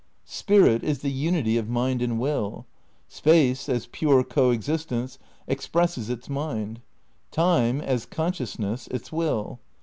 Spirit is the unity of Mind and Will. Space, as pure co existence, expresses its Mind; Time, as conscious ness, its Will.